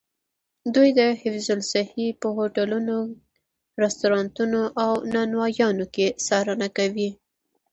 دوی د حفظ الصحې په هوټلونو، رسټورانتونو او نانوایانو کې څارنه کوي.